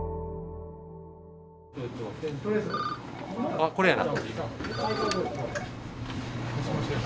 ☎あっこれやな。